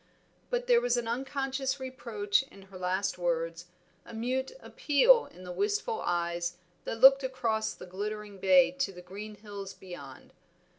But there was an unconscious reproach in her last words, a mute appeal in the wistful eyes that looked across the glittering bay to the green hills beyond.